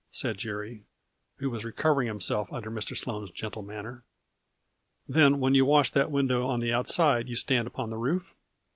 said Jerry, who was recovering himself under Mr. Sloane's gentle manner. " Then when you wash that window on the outside you stand upon the roof ?